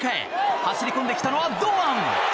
走りこんできたのは堂安！